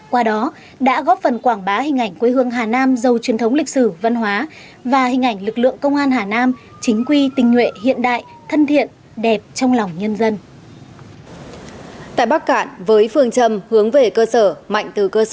qua đó đã góp phần quảng bá hình ảnh quê hương hà nam giàu truyền thống lịch sử văn hóa và hình ảnh lực lượng công an hà nam chính quy tình nguyện hiện đại thân thiện đẹp trong lòng nhân dân